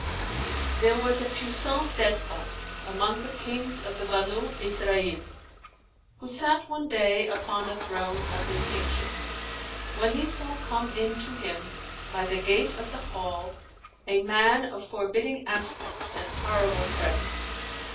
There was a puissant despot among the Kings of the Banϊ Isrανl, who sat one day upon the throne of his kingship, when he saw come in to him, by the gate of the hall, a man of forbidding aspect and horrible presence.